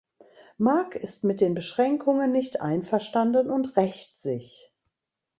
Mark ist mit den Beschränkungen nicht einverstanden und rächt sich.